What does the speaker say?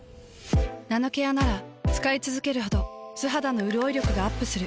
ナノケアなら使いつづけるほど素肌のうるおい力がアップする。